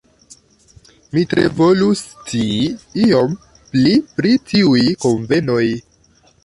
Mi tre volus scii iom pli pri tiuj kunvenoj.